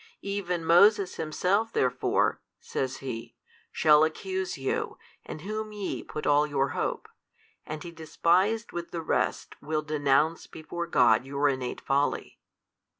Even Moses himself therefore (says He) shall accuse you, in whom ye put all your hope, and he despised with the rest will denounce before God your innate folly.